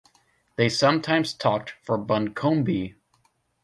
They sometimes talked for Buncombe.